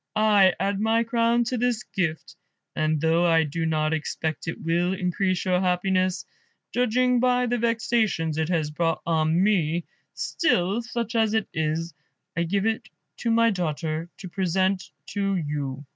I add my crown to this gift, and though I do not expect it will increase your happiness, judging by the vexations it has brought on me, still, such as it is, I give it to my daughter to present to you."